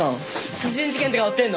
殺人事件とか追ってんの？